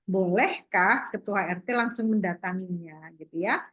bolehkah ketua rt langsung mendatanginya